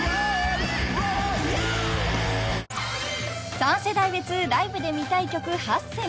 ［３世代別ライブで見たい曲８選］